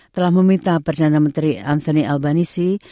telah meminta perdana menteri anthony albanisi